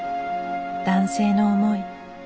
男性の思い